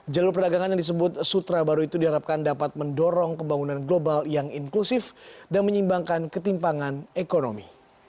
jalur perdagangan yang disebut sutra baru itu diharapkan dapat mendorong pembangunan global yang inklusif dan menyimbangkan ketimpangan ekonomi